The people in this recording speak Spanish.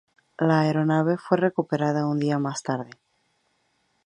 La aeronave fue recuperada un día más tarde.